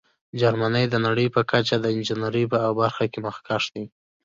جرمني د نړۍ په کچه د انجینیرۍ په برخه کې مخکښ دی.